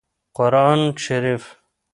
قران شريف